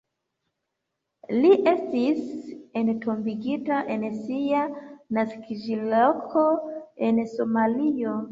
Li estis entombigita en sia naskiĝloko en Somalio.